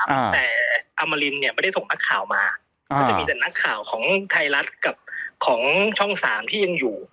ตั้งแต่อมรินเนี่ยไม่ได้ส่งนักข่าวมาก็จะมีแต่นักข่าวของไทยรัฐกับของช่องสามที่ยังอยู่